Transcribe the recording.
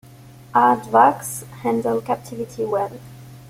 Aardvarks handle captivity well.